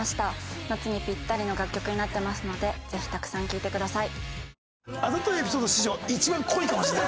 夏にぴったりの楽曲になってますのでぜひたくさん聴いてください。